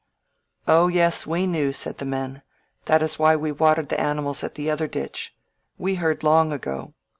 "O yes, we knew," said the men. "That is why we watered the animals at the other ditch. We heard long ago.